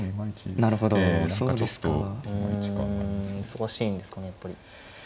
忙しいんですかねやっぱり。